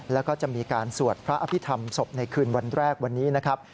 แล้วก็จะมีการสวดพระอภิษฐรรมศพในคืนวันแรกวันนี้นะครับ